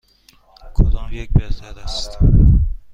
کدام یک بهتر است؟